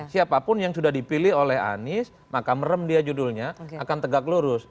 siapapun yang sudah dipilih oleh anies maka merem dia judulnya akan tegak lurus